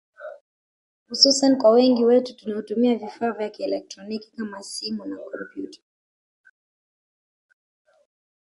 hususan kwa wengi wetu tunaotumia vifaa vya kielectroniki kama simu na kompyuta